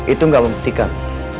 itu gak membuktikan